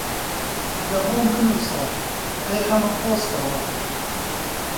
دە بۆم بنووسە دەیخەمە پۆستەوە